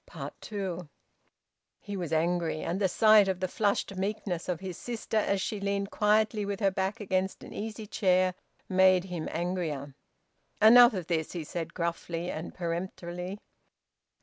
TWO. He was angry, and the sight of the flushed meekness of his sister, as she leaned quietly with her back against an easy chair, made him angrier. "Enough of this!" he said gruffly and peremptorily.